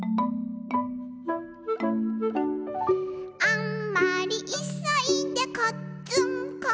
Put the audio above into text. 「あんまりいそいでこっつんこ」